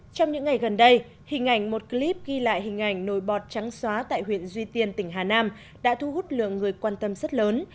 trong những ngày gần đây hình ảnh một clip ghi lại hình ảnh nồi bọt trắng xóa tại huyện duy tiên tỉnh hà nam đã thu hút lượng người quan tâm rất lớn